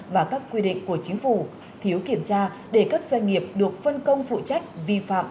và các quy định của chính phủ thiếu kiểm tra để các doanh nghiệp được phân công phụ trách vi phạm